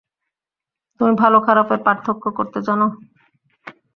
তুমি ভালো খারাপের পার্থক্য করতে জানো?